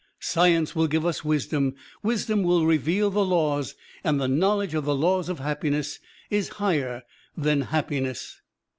Science will give us wisdom, wisdom will reveal the laws, and the knowledge of the laws of happiness is higher than happiness."